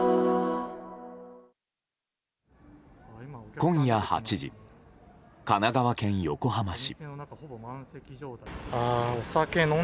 今夜８時、神奈川県横浜市。